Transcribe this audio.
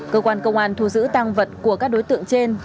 cơ quan công an thu giữ tăng vật của các đối tượng trên